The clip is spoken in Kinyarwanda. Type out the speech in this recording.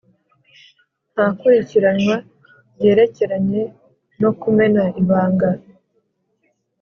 Nta kurikiranwa ryerekeranye no kumena ibanga